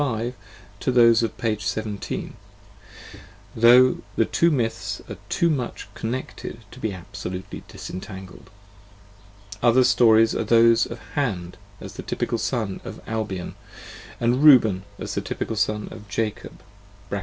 5 to those of p. 17, though the two myths are too much con necled to be absolutely disentangled. Other stories are those of Hand as the typical Son of Albion, aud Reuben as the typical Son of Jacob (pp.